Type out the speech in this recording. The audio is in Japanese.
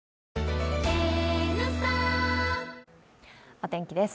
お天気です。